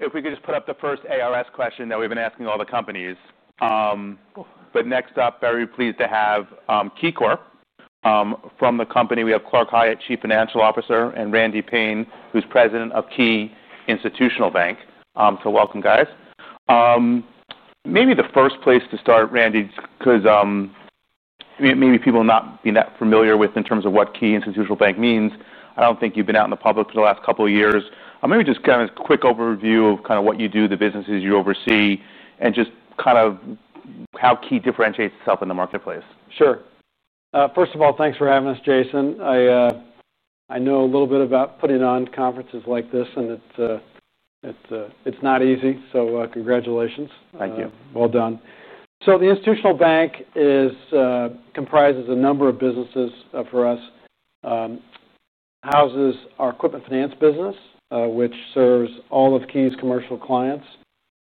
If we could just put up the first ARS question that we've been asking all the companies. Next up, very pleased to have KeyCorp from the company. We have Clark Khayat, Chief Financial Officer, and Randy Paine, who's President of Key Institutional Bank. Welcome, guys. Maybe the first place to start, Randy, because maybe people will not be that familiar with what Key Institutional Bank means. I don't think you've been out in the public for the last couple of years. Maybe just a quick overview of what you do, the businesses you oversee, and how Key differentiates itself in the marketplace. Sure. First of all, thanks for having us, Jason. I know a little bit about putting on conferences like this, and it's not easy. Congratulations. Thank you. The Institutional Bank comprises a number of businesses for us. It houses our equipment finance business, which serves all of Key's commercial clients,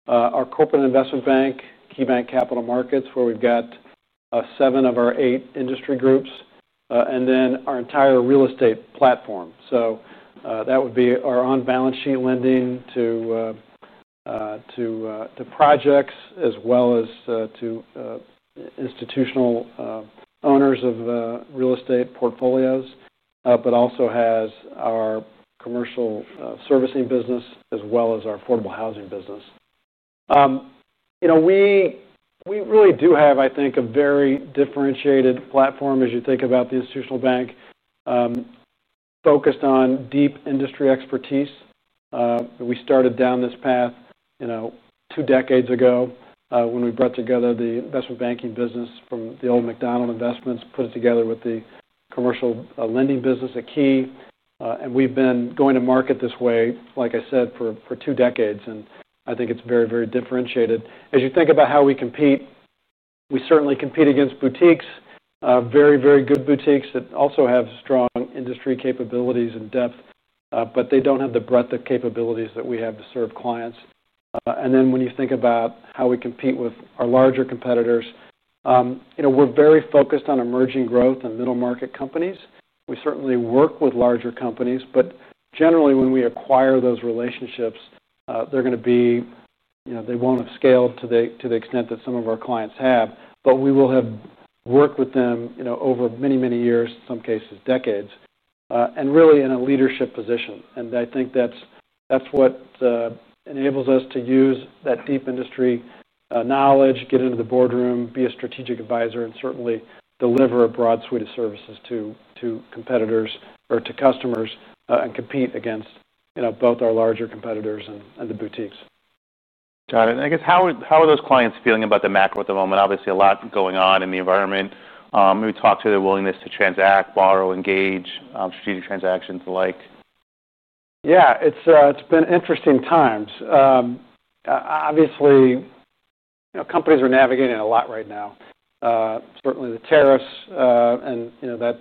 our corporate investment bank, KeyBank Capital Markets, where we've got seven of our eight industry groups, and then our entire real estate platform. That would be our on-balance sheet lending to projects as well as to institutional owners of real estate portfolios, but also has our commercial servicing business as well as our affordable housing business. We really do have, I think, a very differentiated platform as you think about the Institutional Bank, focused on deep industry expertise. We started down this path two decades ago when we brought together the investment banking business from the old McDonald Investments, put it together with the commercial lending business at Key. We've been going to market this way, like I said, for two decades. I think it's very, very differentiated. As you think about how we compete, we certainly compete against boutiques, very, very good boutiques that also have strong industry capabilities and depth, but they don't have the breadth of capabilities that we have to serve clients. When you think about how we compete with our larger competitors, we're very focused on emerging growth and middle-market companies. We certainly work with larger companies, but generally when we acquire those relationships, they're going to be, you know, they won't have scaled to the extent that some of our clients have, but we will have worked with them over many, many years, in some cases decades, and really in a leadership position. I think that's what enables us to use that deep industry knowledge, get into the boardroom, be a strategic advisor, and certainly deliver a broad suite of services to competitors or to customers and compete against both our larger competitors and the boutiques. Got it. I guess how are those clients feeling about the macro at the moment? Obviously, a lot going on in the environment. We talked to their willingness to transact, borrow, engage strategic transactions alike. Yeah, it's been interesting times. Obviously, companies are navigating a lot right now. Certainly the tariffs and that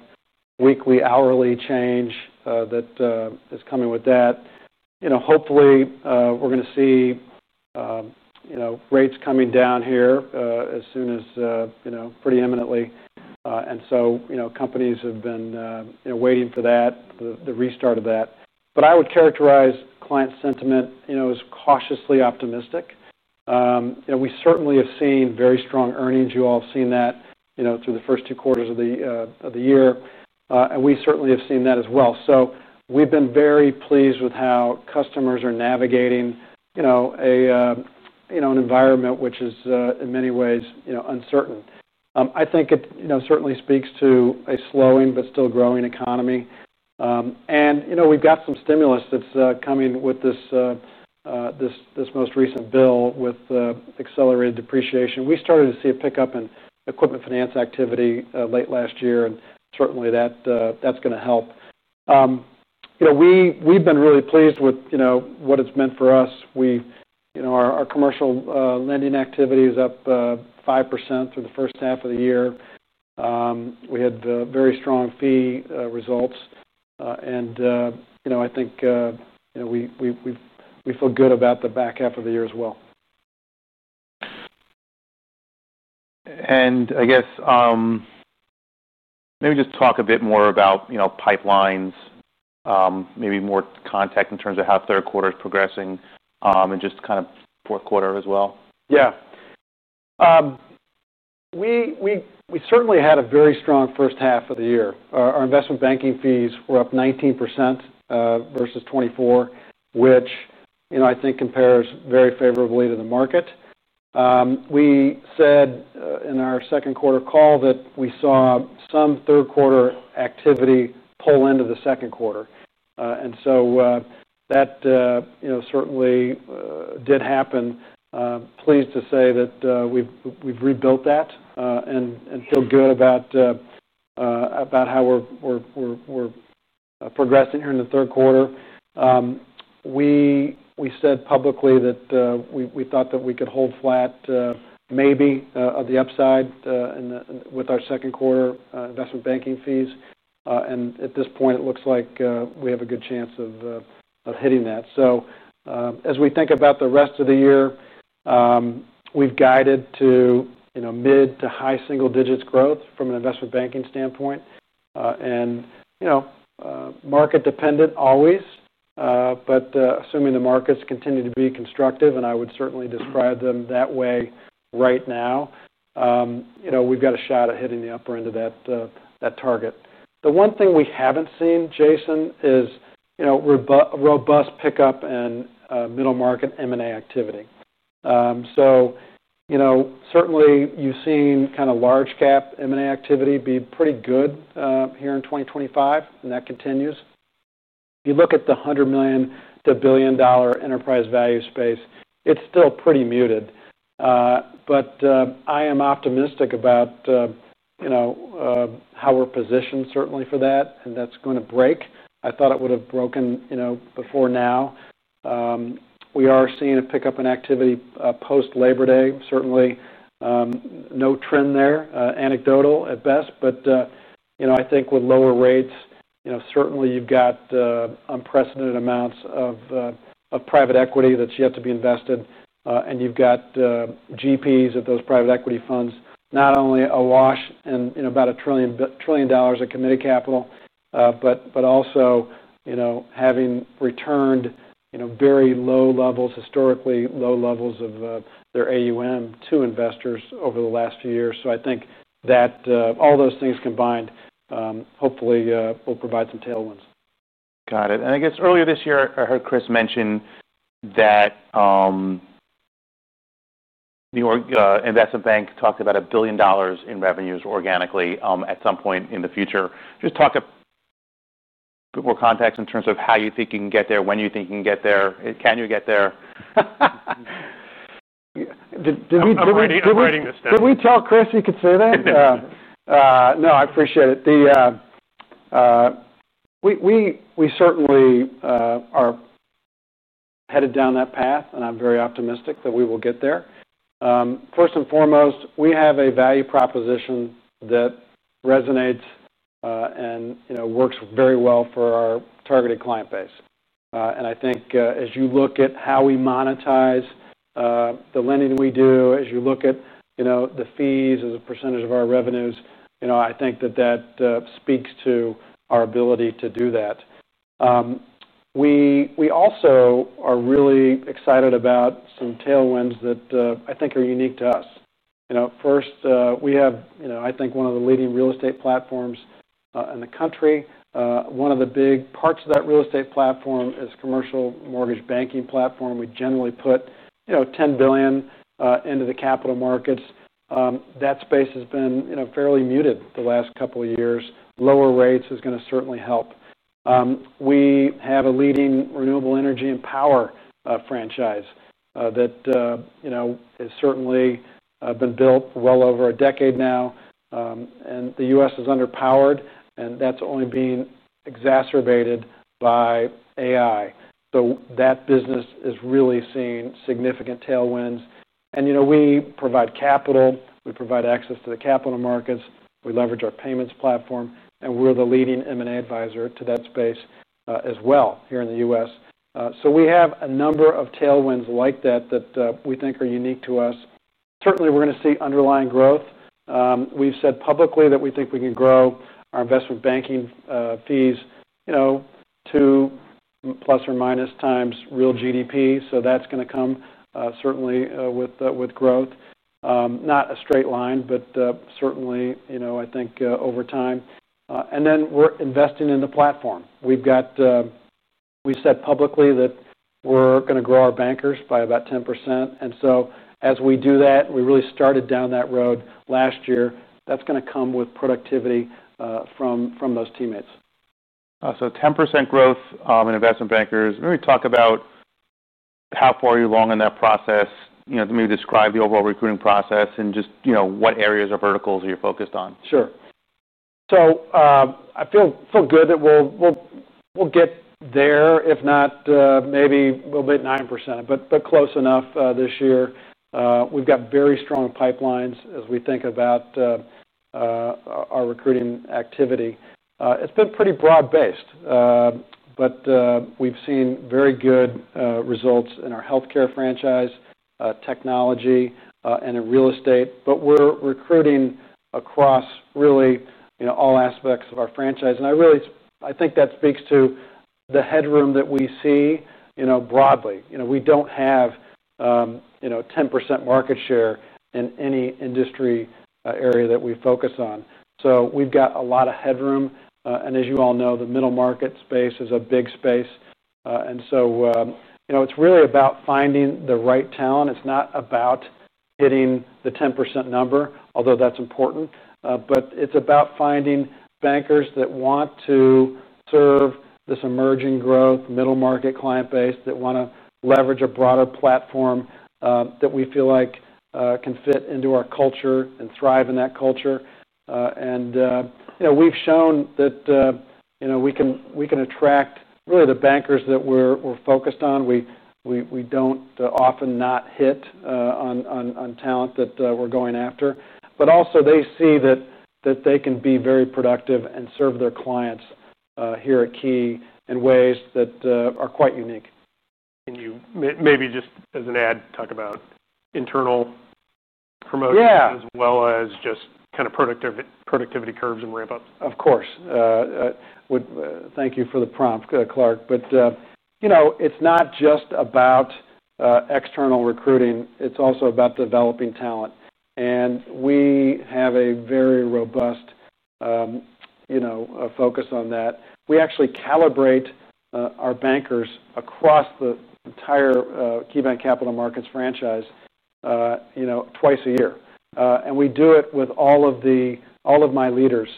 weekly, hourly change that is coming with that. Hopefully we're going to see rates coming down here as soon as, pretty imminently. Companies have been waiting for that, the restart of that. I would characterize client sentiment as cautiously optimistic. We certainly have seen very strong earnings. You all have seen that through the first two quarters of the year. We certainly have seen that as well. We've been very pleased with how customers are navigating an environment which is in many ways uncertain. I think it certainly speaks to a slowing but still growing economy. We've got some stimulus that's coming with this most recent bill with accelerated depreciation. We started to see a pickup in equipment finance activity late last year, and certainly that's going to help. We've been really pleased with what it's meant for us. Our commercial lending activity is up 5% through the first half of the year. We had very strong fee results. I think we feel good about the back half of the year as well. Could you maybe just talk a bit more about pipelines, maybe more context in terms of how the third quarter is progressing and just kind of the fourth quarter as well? Yeah. We certainly had a very strong first half of the year. Our investment banking fees were up 19% versus 2024, which, you know, I think compares very favorably to the market. We said in our second quarter call that we saw some third quarter activity pull into the second quarter. That certainly did happen. Pleased to say that we've rebuilt that and feel good about how we're progressing here in the third quarter. We said publicly that we thought that we could hold flat, maybe have the upside with our second quarter investment banking fees. At this point, it looks like we have a good chance of hitting that. As we think about the rest of the year, we've guided to mid to high single digits growth from an investment banking standpoint. Market dependent always, but assuming the markets continue to be constructive, and I would certainly describe them that way right now, we've got a shot at hitting the upper end of that target. The one thing we haven't seen, Jason, is robust pickup in middle market M&A activity. Certainly you've seen kind of large cap M&A activity be pretty good here in 2025, and that continues. If you look at the $100 million to $1 billion enterprise value space, it's still pretty muted. I am optimistic about how we're positioned certainly for that, and that's going to break. I thought it would have broken before now. We are seeing a pickup in activity post Labor Day. Certainly no trend there, anecdotal at best, but I think with lower rates, you've got unprecedented amounts of private equity that you have to be invested in, and you've got GPs of those private equity funds, not only awash in about $1 trillion of committed capital, but also having returned very low levels, historically low levels of their AUM to investors over the last few years. I think that all those things combined hopefully will provide some tailwinds. Got it. Earlier this year I heard Chris mention that the investment bank talked about a billion dollars in revenues organically at some point in the future. Just talk a bit more context in terms of how you think you can get there, when you think you can get there, can you get there? Did we tell Chris he could say that? No, I appreciate it. We certainly are headed down that path, and I'm very optimistic that we will get there. First and foremost, we have a value proposition that resonates and works very well for our targeted client base. I think as you look at how we monetize the lending we do, as you look at the fees as a percentage of our revenues, I think that speaks to our ability to do that. We also are really excited about some tailwinds that I think are unique to us. First, we have, I think, one of the leading real estate platforms in the country. One of the big parts of that real estate platform is the commercial mortgage banking platform. We generally put $10 billion into the capital markets. That space has been fairly muted the last couple of years. Lower rates are going to certainly help. We have a leading renewable energy and power franchise that has certainly been built well over a decade now. The U.S. is underpowered, and that's only being exacerbated by AI. That business is really seeing significant tailwinds. We provide capital, we provide access to the capital markets, we leverage our payments platform, and we're the leading M&A advisor to that space as well here in the U.S. We have a number of tailwinds like that that we think are unique to us. Certainly, we're going to see underlying growth. We've said publicly that we think we can grow our investment banking fees to plus or minus times real GDP. That's going to come certainly with growth. Not a straight line, but certainly, I think, over time. We're investing in the platform. We've said publicly that we're going to grow our bankers by about 10%. As we do that, we really started down that road last year. That's going to come with productivity from those teammates. 10% growth in investment bankers. Maybe talk about how far you're long in that process. Maybe describe the overall recruiting process and just, you know, what areas or verticals are you focused on? Sure. I feel good that we'll get there. If not, maybe we'll be at 9%, but close enough this year. We've got very strong pipelines as we think about our recruiting activity. It's been pretty broad based, but we've seen very good results in our healthcare franchise, technology, and in real estate. We're recruiting across really all aspects of our franchise. I think that speaks to the headroom that we see broadly. We don't have 10% market share in any industry area that we focus on, so we've got a lot of headroom. As you all know, the middle market space is a big space. It's really about finding the right talent. It's not about hitting the 10% number, although that's important, but it's about finding bankers that want to serve this emerging growth middle market client base that want to leverage a broader platform that we feel like can fit into our culture and thrive in that culture. We've shown that we can attract really the bankers that we're focused on. We don't often not hit on talent that we're going after. They see that they can be very productive and serve their clients here at Key in ways that are quite unique. Can you maybe just as an add, talk about internal promotion as well as just kind of productivity curves and ramp ups? Of course. Thank you for the prompt, Clark. It's not just about external recruiting. It's also about developing talent. We have a very robust focus on that. We actually calibrate our bankers across the entire KeyBank Capital Markets franchise twice a year. We do it with all of my leaders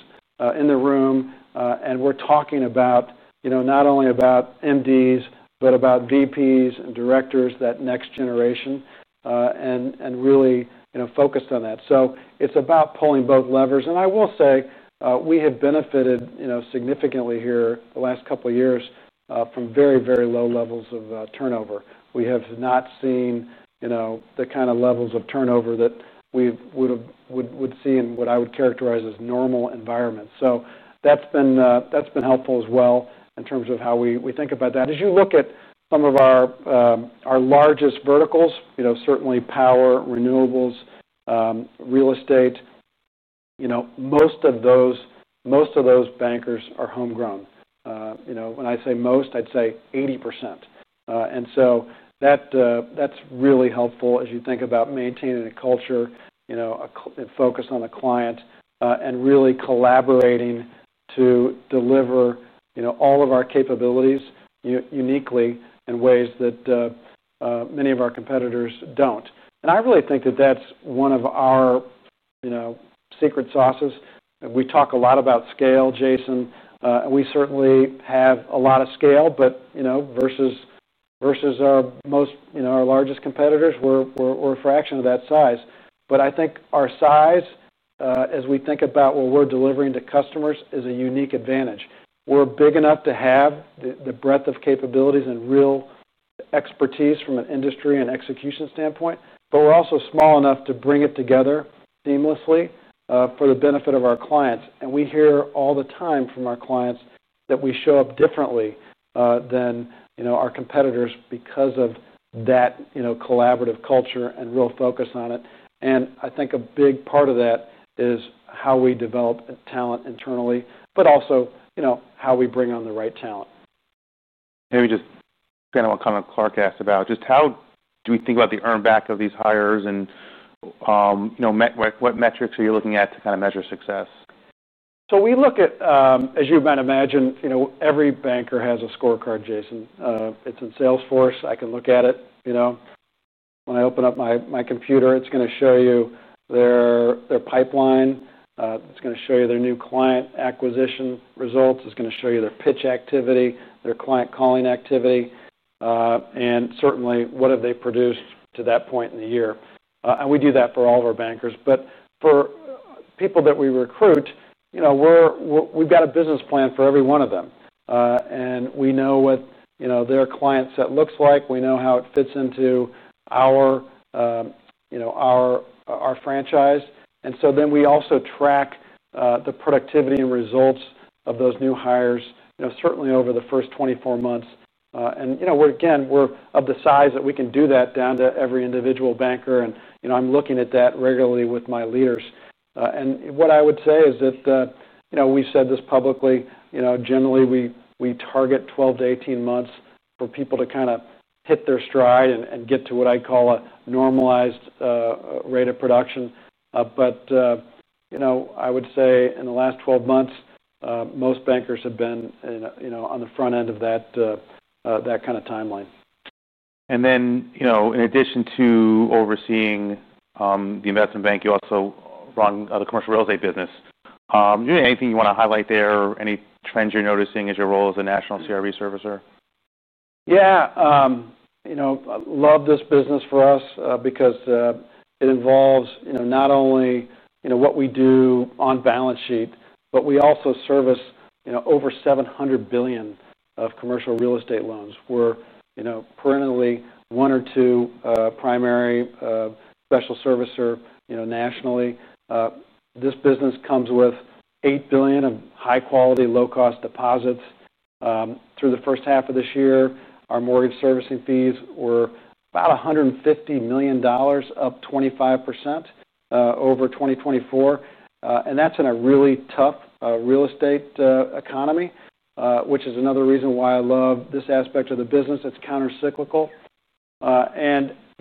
in the room, and we're talking not only about MDs, but about VPs and directors, that next generation, and really focused on that. It's about pulling both levers. I will say we have benefited significantly here the last couple of years from very, very low levels of turnover. We have not seen the kind of levels of turnover that we would see in what I would characterize as normal environments. That's been helpful as well in terms of how we think about that. As you look at some of our largest verticals, certainly power, renewables, real estate, most of those bankers are homegrown. When I say most, I'd say 80%. That's really helpful as you think about maintaining a culture, a focus on the client, and really collaborating to deliver all of our capabilities uniquely in ways that many of our competitors don't. I really think that that's one of our secret sauces. We talk a lot about scale, Jason. We certainly have a lot of scale, but versus our largest competitors, we're a fraction of that size. I think our size, as we think about what we're delivering to customers, is a unique advantage. We're big enough to have the breadth of capabilities and real expertise from an industry and execution standpoint, but we're also small enough to bring it together seamlessly for the benefit of our clients. We hear all the time from our clients that we show up differently than our competitors because of that collaborative culture and real focus on it. I think a big part of that is how we develop talent internally, but also how we bring on the right talent. Maybe just kind of what Clark asked about, just how do we think about the earned back of these hires and, you know, what metrics are you looking at to kind of measure success? We look at, as you might imagine, every banker has a scorecard, Jason. It's in Salesforce. I can look at it when I open up my computer, it's going to show you their pipeline. It's going to show you their new client acquisition results. It's going to show you their pitch activity, their client calling activity, and certainly what have they produced to that point in the year. We do that for all of our bankers. For people that we recruit, we've got a business plan for every one of them. We know what their client set looks like. We know how it fits into our franchise. We also track the productivity and results of those new hires, certainly over the first 24 months. We're of the size that we can do that down to every individual banker. I'm looking at that regularly with my leaders. What I would say is that we've said this publicly, generally we target 12 to 18 months for people to kind of hit their stride and get to what I call a normalized rate of production. I would say in the last 12 months, most bankers have been on the front end of that kind of timeline. In addition to overseeing the investment bank, you also run the commercial real estate business. Do you have anything you want to highlight there, or any trends you're noticing as your role as a national CRB servicer? Yeah, you know, love this business for us because it involves not only what we do on balance sheet, but we also service over $700 billion of commercial real estate loans. We're currently one or two primary special servicers nationally. This business comes with $8 billion of high quality, low cost deposits. Through the first half of this year, our mortgage servicing fees were about $150 million, up 25% over 2024. That's in a really tough real estate economy, which is another reason why I love this aspect of the business. It's countercyclical.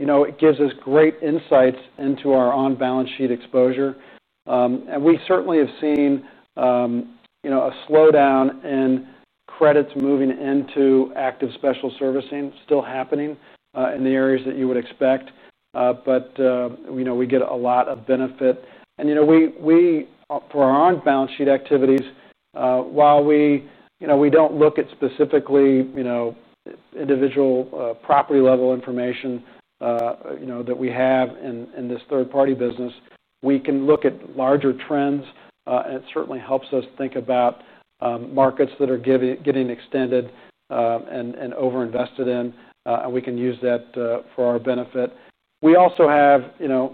It gives us great insights into our on-balance sheet exposure. We certainly have seen a slowdown in credits moving into active special servicing, still happening in the areas that you would expect. We get a lot of benefit. For our on-balance sheet activities, while we don't look at specifically individual property level information that we have in this third-party business, we can look at larger trends. It certainly helps us think about markets that are getting extended and overinvested in. We can use that for our benefit. We also have,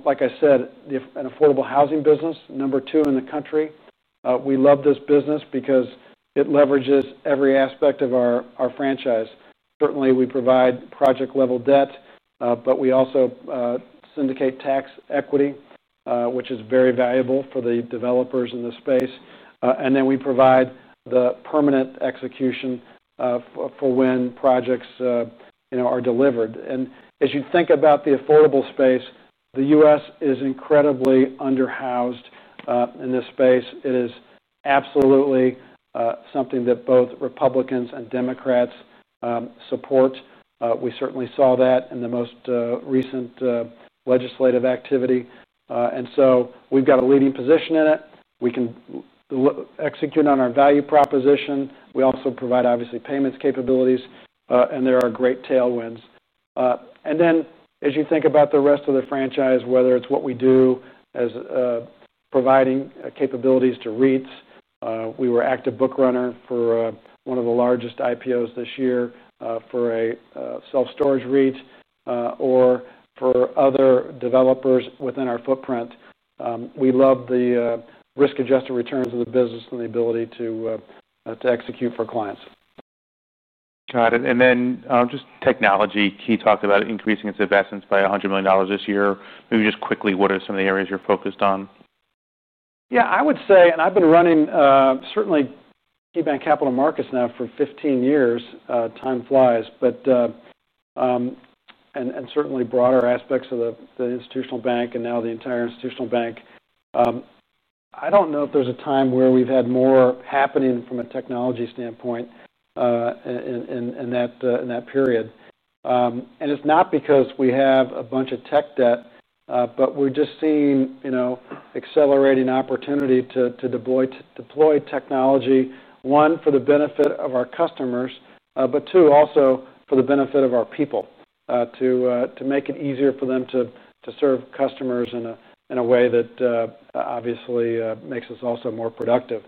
like I said, an affordable housing business, number two in the country. We love this business because it leverages every aspect of our franchise. Certainly, we provide project-level debt, but we also syndicate tax equity, which is very valuable for the developers in this space. Then we provide the permanent execution for when projects are delivered. As you think about the affordable space, the U.S. is incredibly underhoused in this space. It is absolutely something that both Republicans and Democrats support. We certainly saw that in the most recent legislative activity. We've got a leading position in it. We can execute on our value proposition. We also provide, obviously, payments capabilities. There are great tailwinds. As you think about the rest of the franchise, whether it's what we do as providing capabilities to REITs, we were active book runner for one of the largest IPOs this year for a self-storage REIT or for other developers within our footprint. We love the risk-adjusted returns of the business and the ability to execute for clients. Got it. Just technology, KeyCorp talked about increasing its investments by $100 million this year. Maybe just quickly, what are some of the areas you're focused on? Yeah, I would say, and I've been running certainly KeyBank Capital Markets now for 15 years. Time flies, but certainly broader aspects of the Institutional Bank and now the entire Institutional Bank. I don't know if there's a time where we've had more happening from a technology standpoint in that period. It's not because we have a bunch of tech debt, but we're just seeing accelerating opportunity to deploy technology, one, for the benefit of our customers, but two, also for the benefit of our people to make it easier for them to serve customers in a way that obviously makes us also more productive.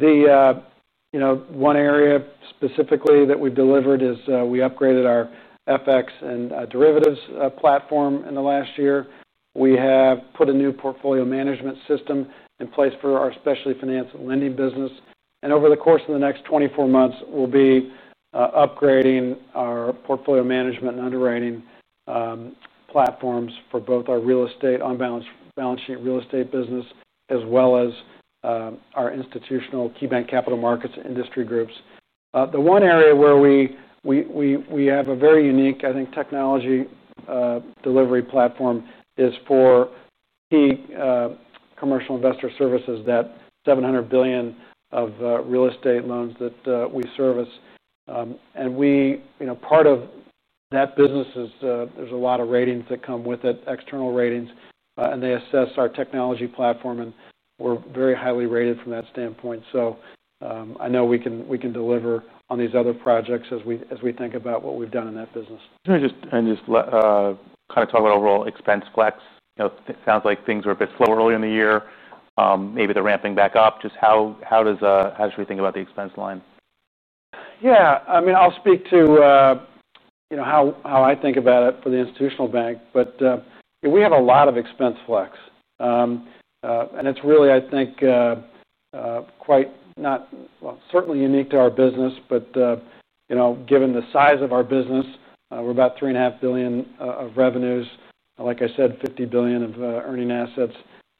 One area specifically that we've delivered is we upgraded our FX and derivatives platform in the last year. We have put a new portfolio management system in place for our specialty financed lending business. Over the course of the next 24 months, we'll be upgrading our portfolio management and underwriting platforms for both our on-balance sheet real estate business, as well as our institutional KeyBank Capital Markets and industry groups. One area where we have a very unique, I think, technology delivery platform is for Key Commercial Investor Services, that $700 billion of real estate loans that we service. Part of that business is there's a lot of ratings that come with it, external ratings, and they assess our technology platform, and we're very highly rated from that standpoint. I know we can deliver on these other projects as we think about what we've done in that business. Could you talk about overall expense flex? It sounds like things were a bit slow earlier in the year. Maybe they're ramping back up. How should we think about the expense line? Yeah, I mean, I'll speak to, you know, how I think about it for the Institutional Bank, but we have a lot of expense flex. It's really, I think, quite, well, certainly unique to our business, but, you know, given the size of our business, we're about $3.5 billion of revenues, like I said, $50 billion of earning assets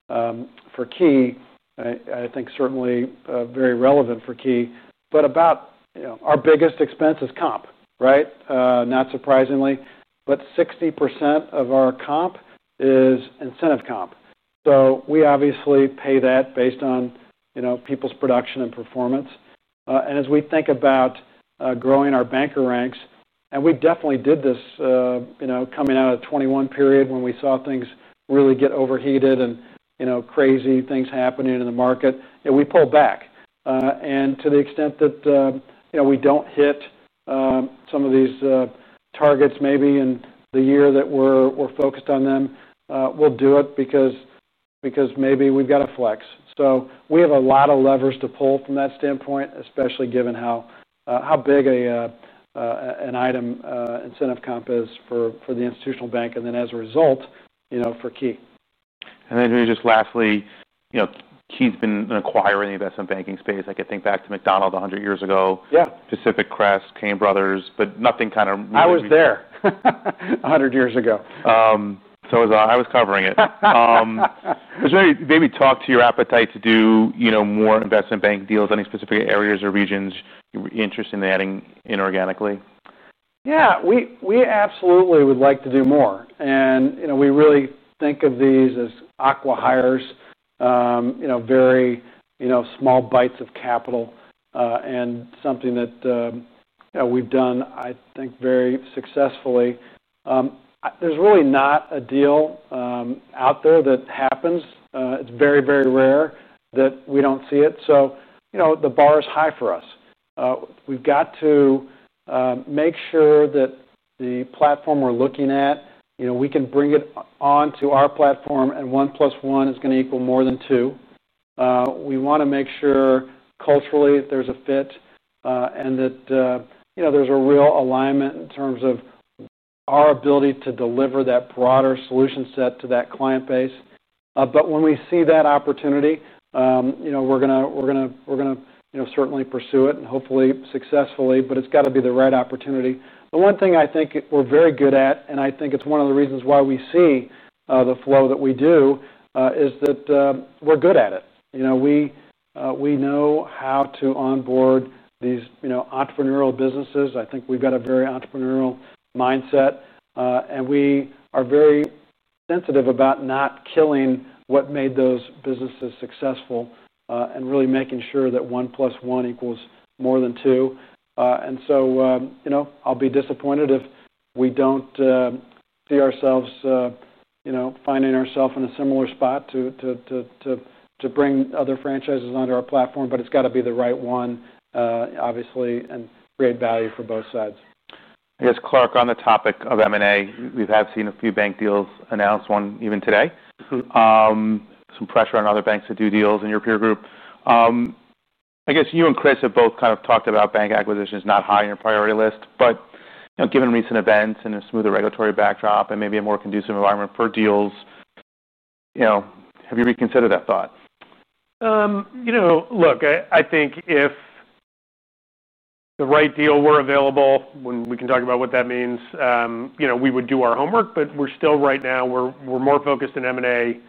for Key. I think certainly very relevant for Key. Our biggest expense is comp, right? Not surprisingly, but 60% of our comp is incentive comp. We obviously pay that based on, you know, people's production and performance. As we think about growing our banker ranks, and we definitely did this coming out of the 2021 period when we saw things really get overheated and, you know, crazy things happening in the market, we pull back. To the extent that we don't hit some of these targets maybe in the year that we're focused on them, we'll do it because maybe we've got to flex. We have a lot of levers to pull from that standpoint, especially given how big an item incentive comp is for the Institutional Bank and then as a result, for Key. Maybe just lastly, you know, Key's been an acquirer in the investment banking space. I could think back to McDonald 100 years ago, Pacific Crest, Kane Brothers, but nothing kind of. I was there 100 years ago. I was covering it. Maybe talk to your appetite to do, you know, more investment bank deals, any specific areas or regions you're interested in adding inorganically? Yeah, we absolutely would like to do more. We really think of these as aqua hires, very small bites of capital and something that we've done, I think, very successfully. There's really not a deal out there that happens. It's very, very rare that we don't see it. The bar is high for us. We've got to make sure that the platform we're looking at, we can bring it onto our platform and one plus one is going to equal more than two. We want to make sure culturally that there's a fit and that there's a real alignment in terms of our ability to deliver that broader solution set to that client base. When we see that opportunity, we're going to certainly pursue it and hopefully successfully, but it's got to be the right opportunity. The one thing I think we're very good at, and I think it's one of the reasons why we see the flow that we do, is that we're good at it. We know how to onboard these entrepreneurial businesses. I think we've got a very entrepreneurial mindset. We are very sensitive about not killing what made those businesses successful and really making sure that one plus one equals more than two. I'll be disappointed if we don't see ourselves finding ourselves in a similar spot to bring other franchises onto our platform, but it's got to be the right one, obviously, and create value for both sides. I guess, Clark, on the topic of M&A, we have seen a few bank deals announced, one even today. Some pressure on other banks to do deals in your peer group. I guess you and Chris have both kind of talked about bank acquisitions not high on your priority list, but given recent events and a smoother regulatory backdrop and maybe a more conducive environment for deals, have you reconsidered that thought? You know, look, I think if the right deal were available, we can talk about what that means. We would do our homework, but right now, we're more focused in M&A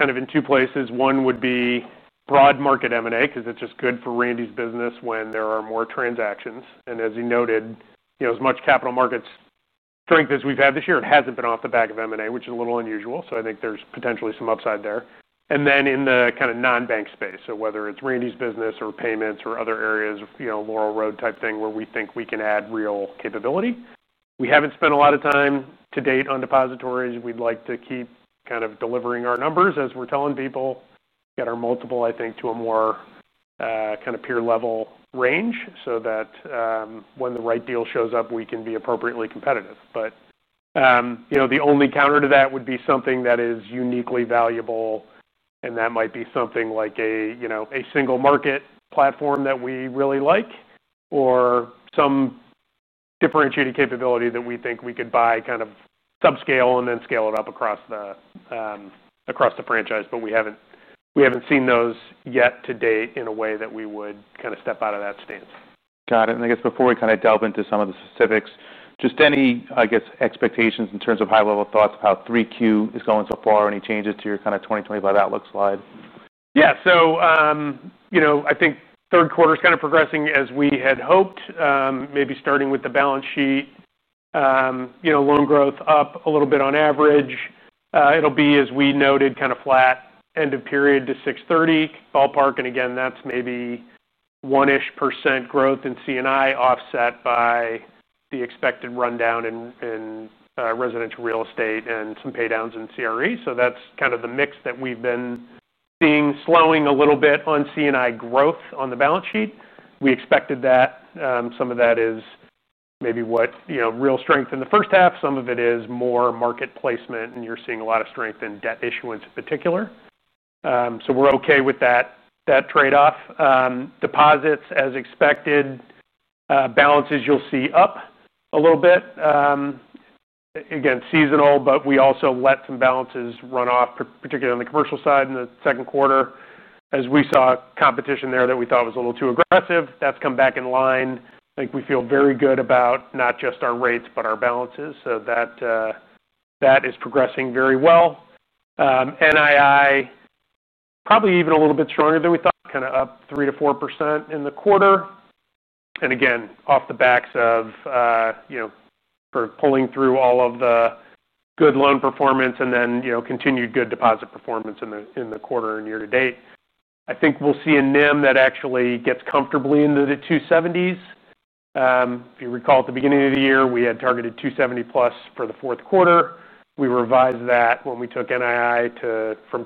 kind of in two places. One would be broad market M&A because it's just good for Randy's business when there are more transactions. As he noted, as much capital markets strength as we've had this year, it hasn't been off the back of M&A, which is a little unusual. I think there's potentially some upside there. In the kind of non-bank space, whether it's Randy's business or payments or other areas, you know, Laurel Road type thing where we think we can add real capability. We haven't spent a lot of time to date on depositories. We'd like to keep kind of delivering our numbers as we're telling people at our multiple, I think, to a more kind of peer level range so that when the right deal shows up, we can be appropriately competitive. The only counter to that would be something that is uniquely valuable. That might be something like a single market platform that we really like or some differentiated capability that we think we could buy kind of subscale and then scale it up across the franchise. We haven't seen those yet to date in a way that we would kind of step out of that stance. Got it. Before we delve into some of the specifics, any expectations in terms of high-level thoughts about how 3Q is going so far, or any changes to your 2025 outlook slide? Yeah, so, you know, I think third quarter is kind of progressing as we had hoped. Maybe starting with the balance sheet, you know, loan growth up a little bit on average. It'll be, as we noted, kind of flat end of period to $630 million, ballpark. Again, that's maybe 1% growth in CNI offset by the expected rundown in residential real estate and some paydowns in CRE. That's kind of the mix that we've been seeing, slowing a little bit on CNI growth on the balance sheet. We expected that. Some of that is maybe real strength in the first half. Some of it is more market placement, and you're seeing a lot of strength in debt issuance in particular. We're okay with that trade-off. Deposits, as expected, balances you'll see up a little bit. Again, seasonal, but we also let some balances run off, particularly on the commercial side in the second quarter, as we saw competition there that we thought was a little too aggressive. That's come back in line. I think we feel very good about not just our rates, but our balances. That is progressing very well. NII probably even a little bit stronger than we thought, kind of up 3% to 4% in the quarter. Again, off the backs of pulling through all of the good loan performance and then continued good deposit performance in the quarter and year to date. I think we'll see a NIM that actually gets comfortably into the 270s. If you recall at the beginning of the year, we had targeted 270 plus for the fourth quarter. We revised that when we took NII from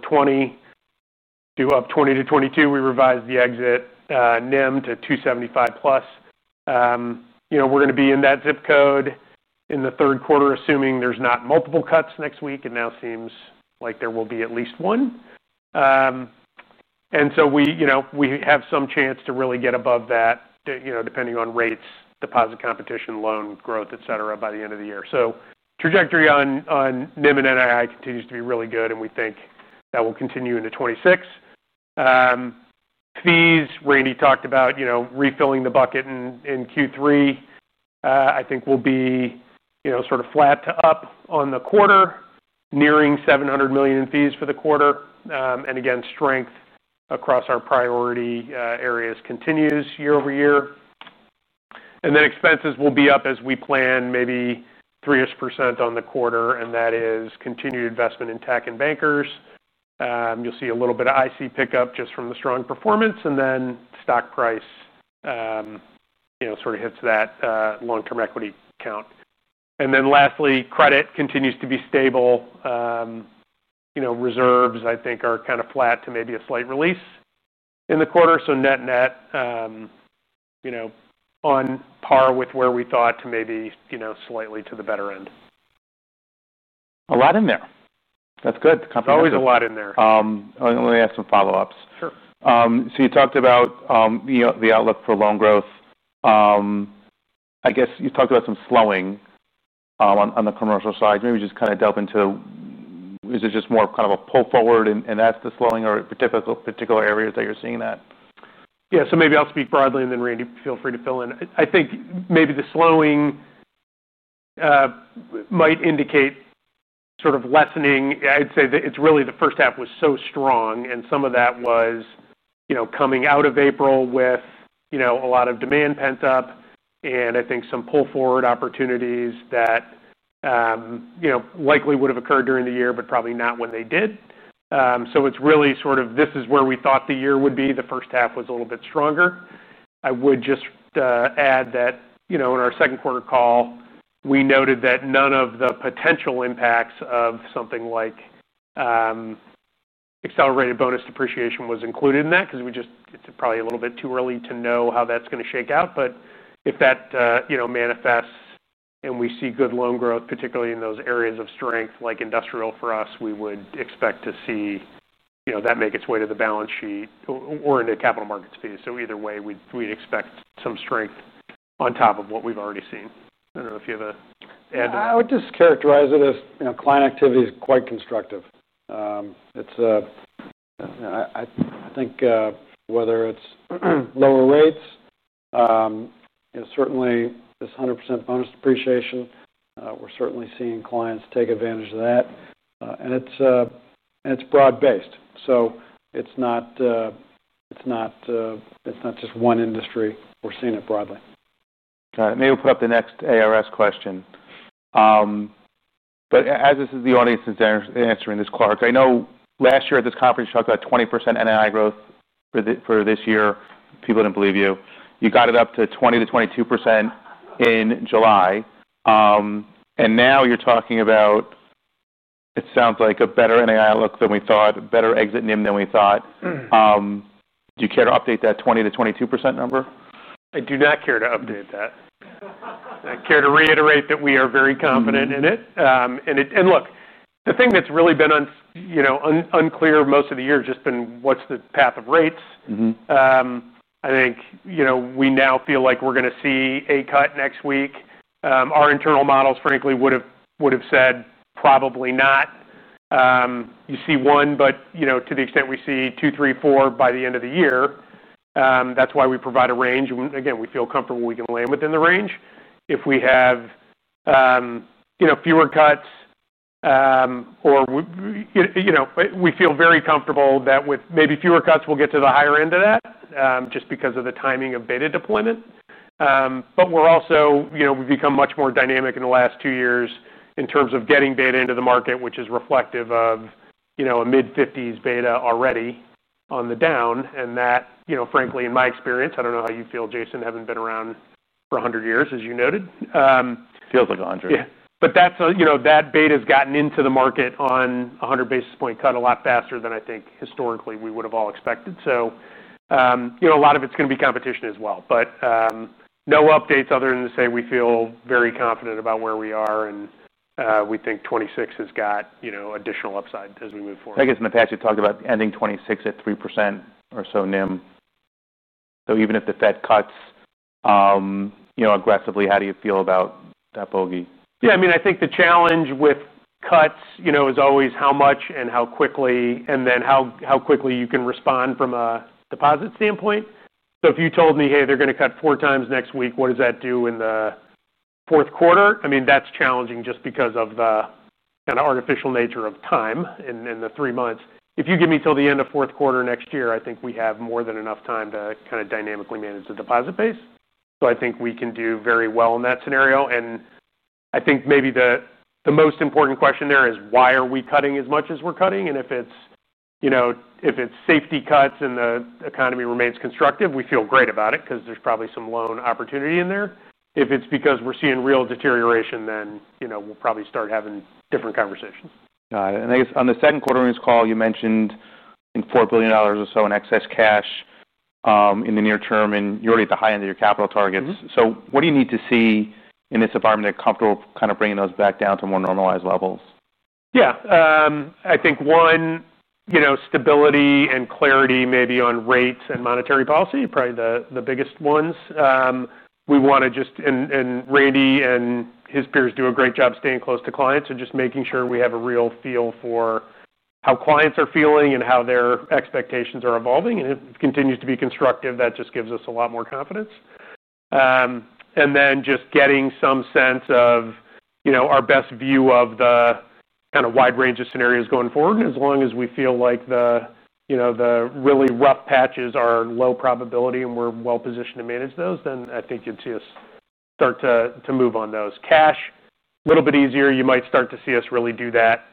up 20% to 22%. We revised the exit NIM to 275 plus. We're going to be in that zip code in the third quarter, assuming there's not multiple cuts next week. It now seems like there will be at least one. We have some chance to really get above that, depending on rates, deposit competition, loan growth, et cetera, by the end of the year. Trajectory on NIM and NII continues to be really good, and we think that will continue into 2026. Fees, Randy talked about refilling the bucket in Q3. I think we'll be sort of flat to up on the quarter, nearing $700 million in fees for the quarter. Again, strength across our priority areas continues year over year. Expenses will be up as we plan, maybe 3% on the quarter, and that is continued investment in tech and bankers. You'll see a little bit of IC pickup just from the strong performance, and then stock price, you know, sort of hits that long-term equity count. Lastly, credit continues to be stable. Reserves, I think, are kind of flat to maybe a slight release in the quarter. Net net, you know, on par with where we thought to maybe, you know, slightly to the better end. A lot in there. That's good. There's always a lot in there. Let me ask some follow-ups. Sure. You talked about the outlook for loan growth. I guess you talked about some slowing on the commercial side. Maybe just kind of delve into, is it just more kind of a pull forward and that's the slowing or particular areas that you're seeing that? Yeah, so maybe I'll speak broadly and then Randy, feel free to fill in. I think maybe the slowing might indicate sort of lessening. I'd say that it's really the first half was so strong and some of that was, you know, coming out of April with, you know, a lot of demand pent up and I think some pull forward opportunities that, you know, likely would have occurred during the year, but probably not when they did. It's really sort of, this is where we thought the year would be. The first half was a little bit stronger. I would just add that, you know, in our second quarter call, we noted that none of the potential impacts of something like accelerated bonus depreciation was included in that because we just, it's probably a little bit too early to know how that's going to shake out. If that, you know, manifests and we see good loan growth, particularly in those areas of strength, like industrial for us, we would expect to see, you know, that make its way to the balance sheet or into capital markets fees. Either way, we'd expect some strength on top of what we've already seen. I don't know if you have an add-on. I would just characterize it as, you know, client activity is quite constructive. I think whether it's lower rates, you know, certainly this 100% bonus depreciation, we're certainly seeing clients take advantage of that. It's broad based. It's not just one industry. We're seeing it broadly. Got it. Maybe we'll put up the next ARS question. As this is the audience that's answering this, Clark, I know last year at this conference you talked about 20% NII growth for this year. People didn't believe you. You got it up to 20 to 22% in July. Now you're talking about, it sounds like a better NII outlook than we thought, better exit NIM than we thought. Do you care to update that 20 to 22% number? I do not care to update that. I care to reiterate that we are very confident in it. The thing that's really been unclear most of the year has just been what's the path of rates. I think, you know, we now feel like we're going to see a cut next week. Our internal models, frankly, would have said probably not. You see one, but, you know, to the extent we see two, three, four by the end of the year, that's why we provide a range. We feel comfortable we can land within the range. If we have fewer cuts, or, you know, we feel very comfortable that with maybe fewer cuts, we'll get to the higher end of that just because of the timing of beta deployment. We've also become much more dynamic in the last two years in terms of getting beta into the market, which is reflective of a mid-50% beta already on the down. That, frankly, in my experience, I don't know how you feel, Jason, having been around for 100 years, as you noted. Feels like 100. Yeah, that beta's gotten into the market on a 100 basis point cut a lot faster than I think historically we would have all expected. A lot of it's going to be competition as well. No updates other than to say we feel very confident about where we are, and we think 2026 has got additional upside as we move forward. In the past, you talked about ending 2026 at 3% or so NIM. Even if the Fed cuts aggressively, how do you feel about that bogey? Yeah, I mean, I think the challenge with cuts is always how much and how quickly, and then how quickly you can respond from a deposit standpoint. If you told me, hey, they're going to cut four times next week, what does that do in the fourth quarter? I mean, that's challenging just because of the kind of artificial nature of time in the three months. If you give me till the end of fourth quarter next year, I think we have more than enough time to kind of dynamically manage the deposit base. I think we can do very well in that scenario. Maybe the most important question there is why are we cutting as much as we're cutting? If it's safety cuts and the economy remains constructive, we feel great about it because there's probably some loan opportunity in there. If it's because we're seeing real deterioration, then we'll probably start having different conversations. Got it. I guess on the second quarter of this call, you mentioned $4 billion or so in excess cash in the near term, and you're already at the high end of your capital targets. What do you need to see in this department that you're comfortable kind of bringing those back down to more normalized levels? I think one, stability and clarity maybe on rates and monetary policy, probably the biggest ones. We want to just, and Randy and his peers do a great job staying close to clients and just making sure we have a real feel for how clients are feeling and how their expectations are evolving. If it continues to be constructive, that just gives us a lot more confidence. Getting some sense of our best view of the kind of wide range of scenarios going forward is important. As long as we feel like the really rough patches are low probability and we're well positioned to manage those, I think you'd see us start to move on those. Cash, a little bit easier. You might start to see us really do that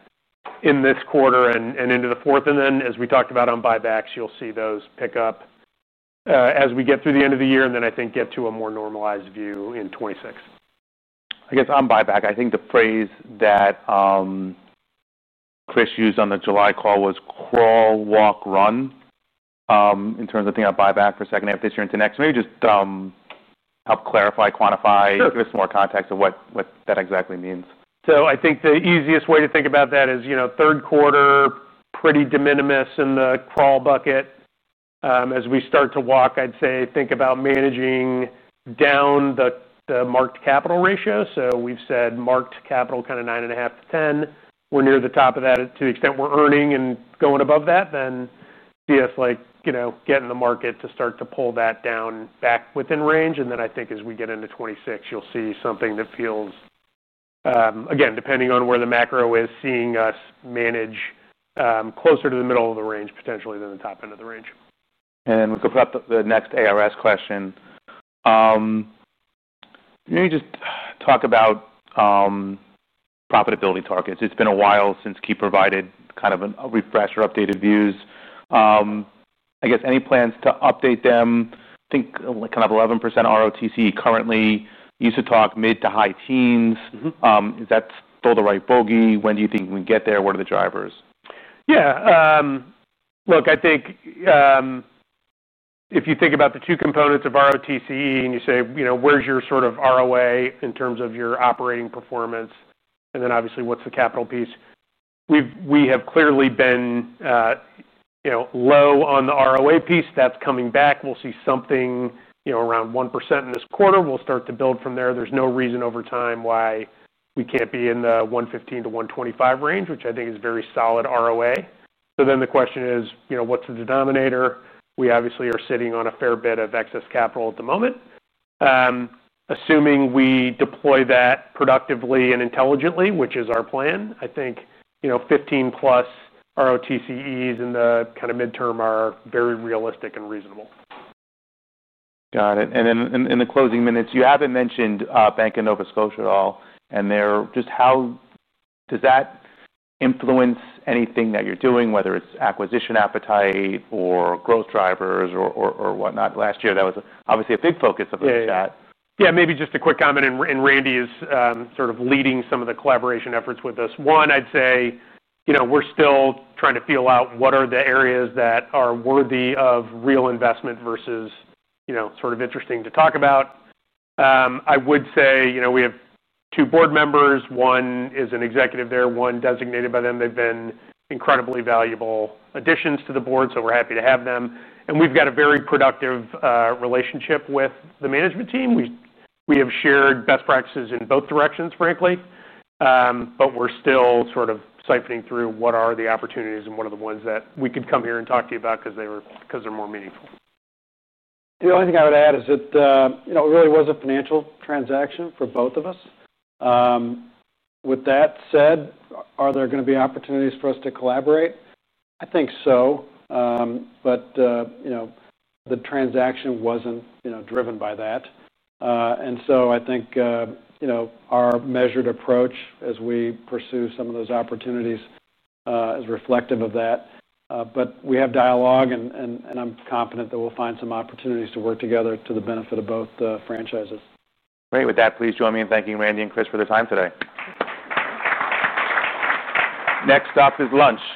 in this quarter and into the fourth. As we talked about on buybacks, you'll see those pick up as we get through the end of the year and then I think get to a more normalized view in 2026. I guess on buyback, I think the phrase that Chris used on the July call was crawl, walk, run in terms of thinking about buyback for the second half this year into next. Maybe just help clarify, quantify, give us more context of what that exactly means. I think the easiest way to think about that is, you know, third quarter, pretty de minimis in the crawl bucket. As we start to walk, I'd say think about managing down the marked capital ratio. We've said marked capital kind of 9.5% to 10%. We're near the top of that. To the extent we're earning and going above that, then see us, like, you know, get in the market to start to pull that down back within range. I think as we get into 2026, you'll see something that feels, again, depending on where the macro is, seeing us manage closer to the middle of the range potentially than the top end of the range. We'll go about the next ARS question. Maybe just talk about profitability targets. It's been a while since KeyCorp provided kind of a refresher or updated views. I guess any plans to update them? I think like kind of 11% ROTCE currently. You used to talk mid to high teens. Is that still the right bogey? When do you think we can get there? What are the drivers? Yeah, look, I think if you think about the two components of ROTCE and you say, you know, where's your sort of ROA in terms of your operating performance? And then obviously, what's the capital piece? We have clearly been, you know, low on the ROA piece. That's coming back. We'll see something, you know, around 1% in this quarter. We'll start to build from there. There's no reason over time why we can't be in the 1.15% to 1.25% range, which I think is very solid ROA. The question is, you know, what's the denominator? We obviously are sitting on a fair bit of excess capital at the moment. Assuming we deploy that productively and intelligently, which is our plan, I think, you know, 15% plus ROTCEs in the kind of midterm are very realistic and reasonable. Got it. In the closing minutes, you haven't mentioned Bank of Nova Scotia at all. How does that influence anything that you're doing, whether it's acquisition appetite or growth drivers or whatnot? Last year, that was obviously a big focus of that. Yeah, maybe just a quick comment. Randy's sort of leading some of the collaboration efforts with us. One, I'd say we're still trying to feel out what are the areas that are worthy of real investment versus sort of interesting to talk about. I would say we have two board members. One is an executive there, one designated by them. They've been incredibly valuable additions to the board, so we're happy to have them. We've got a very productive relationship with the management team. We have shared best practices in both directions, frankly. We're still sort of siphoning through what are the opportunities and what are the ones that we could come here and talk to you about because they're more meaningful. The only thing I would add is that it really was a financial transaction for both of us. With that said, are there going to be opportunities for us to collaborate? I think so. The transaction wasn't driven by that, and I think our measured approach as we pursue some of those opportunities is reflective of that. We have dialogue, and I'm confident that we'll find some opportunities to work together to the benefit of both the franchises. Great. With that, please join me in thanking Randy Paine and Chris Gorman for the time today. Next up is lunch.